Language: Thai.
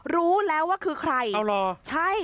รู้แล้วว่าคือใครอ๋อเหรอใช่